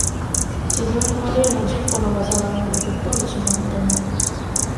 自分の例の十個の禍いなど、吹っ飛んでしまう程の、